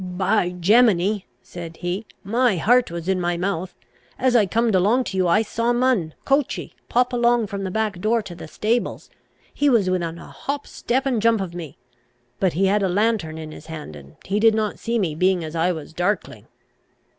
"By Gemini," said he, "my heart was in my mouth. As I comed along to you, I saw Mun, coachey, pop along from the back door to the stables. He was within a hop, step, and jump of me. But he had a lanthorn in his hand, and he did not see me, being as I was darkling."